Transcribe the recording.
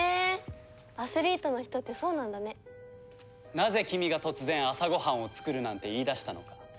なぜ君が突然朝ご飯を作るなんて言い出したのか。